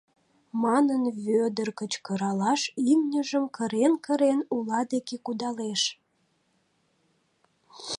манын Вӧдыр кычкыралаш, имньыжым кырен-кырен ула деке кудалеш.